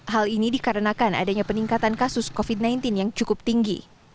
hal ini dikarenakan adanya peningkatan kasus covid sembilan belas yang cukup tinggi